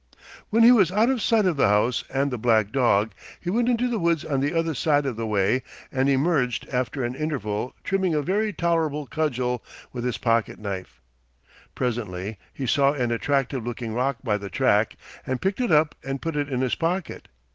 When he was out of sight of the house and the black dog, he went into the woods on the other side of the way and emerged after an interval trimming a very tolerable cudgel with his pocket knife. Presently he saw an attractive looking rock by the track and picked it up and put it in his pocket.